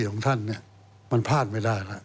ของท่านเนี่ยมันพลาดไม่ได้แล้ว